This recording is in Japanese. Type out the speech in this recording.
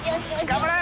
頑張れ！